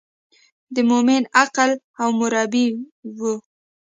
د مومن عقل او مربي و.